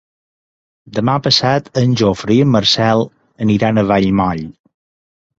Demà passat en Jofre i en Marcel iran a Vallmoll.